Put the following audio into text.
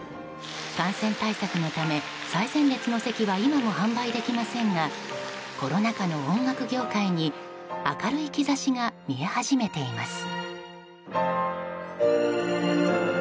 感染対策のため、最前列の席は今も販売できませんがコロナ禍の音楽業界に明るい兆しが見え始めています。